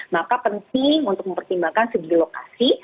maka penting untuk mempertimbangkan segi lokasi